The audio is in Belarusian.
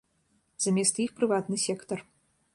Замест іх прыватны сектар.